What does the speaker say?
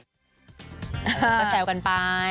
ก็แซวกันไป